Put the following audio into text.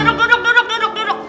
duduk duduk duduk